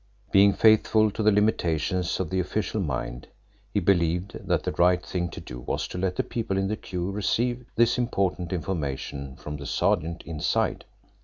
Being faithful to the limitations of the official mind, he believed that the right thing to do was to let the people in the queue receive this important information from the sergeant inside.